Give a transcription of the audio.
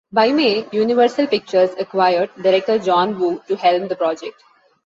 By May, Universal Pictures acquired director John Woo to helm the project.